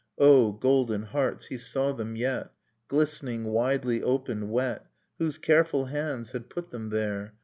O golden hearts! He saw them yet, Glistening, widely opened, wet ... Whose careful hands had put them there?